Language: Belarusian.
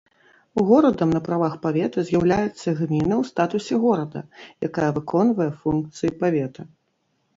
Горадам на правах павета з'яўляецца гміна ў статусе горада, якая выконвае функцыі павета.